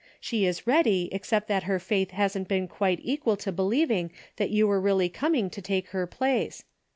She is ready, except that her faith hasn't been quite equal to believing that you were really coming to take her place.